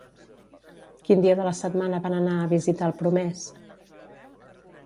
Quin dia de la setmana van anar a visitar el promès?